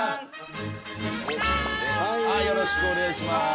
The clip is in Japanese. よろしくお願いします。